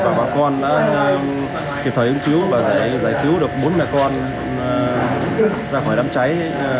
và bà con đã kịp thời ứng cứu và giải cứu được bốn người con ra khỏi đám cháy